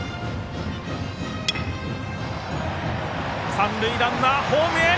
三塁ランナー、ホームへ！